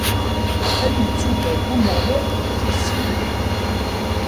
Ad ittubarek Umeɣlal si Ṣiyun.